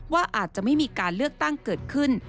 ว่าอาจจะไม่มีการเลือกตั้งเกิดขึ้น